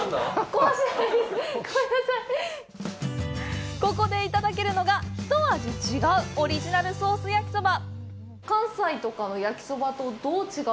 ここでいただけるのが、一味違うオリジナルのソース焼きそば。